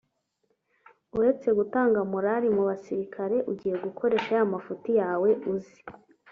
uretse gutanga morali mu basirikali ugiye gukoresha ya mafuti yawe uzi